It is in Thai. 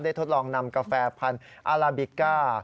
ทดลองนำกาแฟพันธุ์อาลาบิก้า